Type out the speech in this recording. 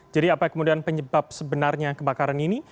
apa kemudian penyebab sebenarnya kebakaran ini